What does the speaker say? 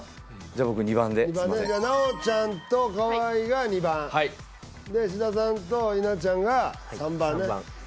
じゃあ奈央ちゃんと河井が２番で志田さんと稲ちゃんが３番はい